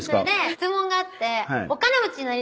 質問があって。